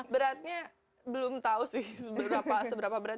beratnya belum tahu sih seberapa berat